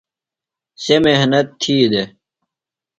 سےۡ محنت تھی دےۡ۔